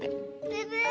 ブブー！